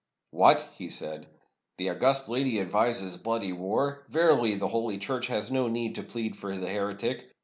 "What!" he said, "the august lady advises bloody war? Verily, the Holy Church has no need to plead for the heretic.